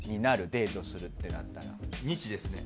デートするってなったら。